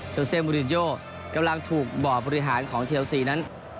โซเซมูลินโยกำลังถูกบ่อบริหารของเชลซีนั้น